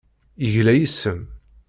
Yegla yes-m.